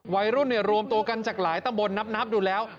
วัยรุ่นรวมตัวกันจากหลายตำบลนับดูแล้ว